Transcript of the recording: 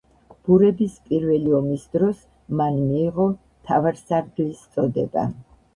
ბურების პირველი ომის დროს მან მიიღო მთავარსარდლის წოდება.